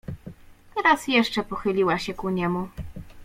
"Raz jeszcze pochyliła się ku niemu."